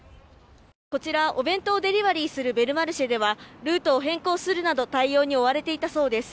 こちらお弁当をデリバリーするベルマルシェではルートを変更するなど対応に追われていたそうです。